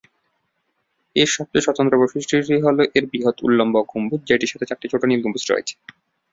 এর সবচেয়ে স্বতন্ত্র বৈশিষ্ট্যটি হলো এর বৃহৎ উল্লম্ব গম্বুজ, যেটির সাথে চারটি ছোট নীল গম্বুজ রয়েছে।